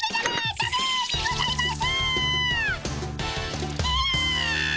ダメにございます！